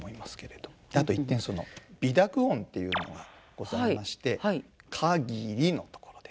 あと一点鼻濁音というのがございまして「かぎり」のところですね。